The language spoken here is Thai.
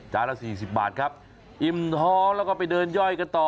ละ๔๐บาทครับอิ่มท้องแล้วก็ไปเดินย่อยกันต่อ